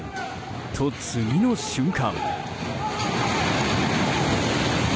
と、次の瞬間。